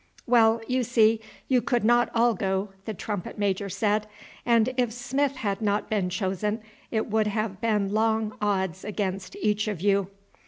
"Well, you see, you could not all go," the trumpet major said, "and if Smith had not been chosen it would have been long odds against each of you."